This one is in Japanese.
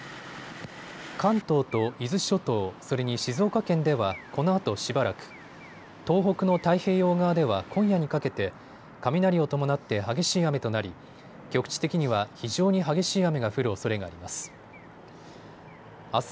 関東と伊豆諸島、それに静岡県ではこのあとしばらく、東北の太平洋側では今夜にかけて雷を伴って激しい雨となり局地的には非常に激しい雨が降るおそれがあります。